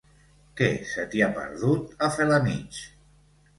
Què se t'hi ha perdut, a Felanitx?